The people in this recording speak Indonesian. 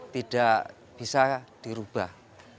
tidak bisa dirubah